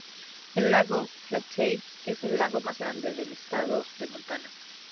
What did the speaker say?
El lago Flathead es el lago más grande del estado de Montana.